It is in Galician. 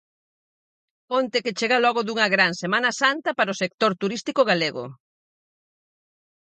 Ponte que chega logo dunha gran semana santa para o sector turístico galego.